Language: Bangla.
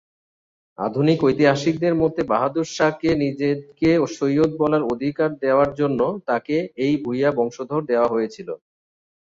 আধুনিক ঐতিহাসিকদের মতে বাহাদুর শাহকে নিজেকে সৈয়দ বলার অধিকার দেওয়ার জন্য তাঁকে এই ভুয়া বংশধর দেওয়া হয়েছিল।